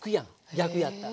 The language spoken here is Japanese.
逆やったら。